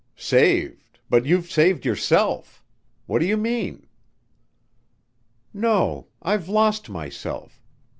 "Saved but you've saved yourself. What do you mean?" "No, I've lost myself.